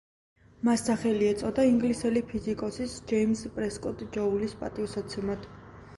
მას სახელი ეწოდა ინგლისელი ფიზიკოსის, ჯეიმზ პრესკოტ ჯოულის პატივსაცემად.